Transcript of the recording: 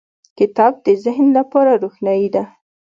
• کتاب د ذهن لپاره روښنایي ده.